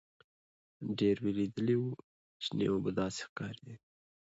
ډېر وېردلي وو شنې اوبه داسې ښکارېدې.